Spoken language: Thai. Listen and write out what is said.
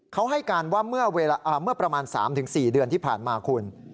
เขาให้การว่าเมื่อประมาณ๓๔เดือนที่ผ่านมาคุณ